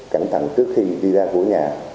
cẩn thận trước khi đi ra của nhà